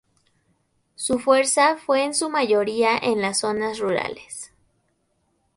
Su fuerza fue en su mayoría en las zonas rurales.